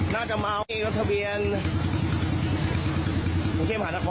น่าจะเมาเองรถทะเบียนบุคเทศมหานครนะครับ